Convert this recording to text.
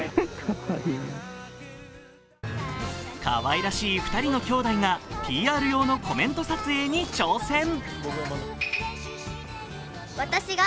かわいらしい２人の姉弟がＰＲ用のコメント撮影に挑戦。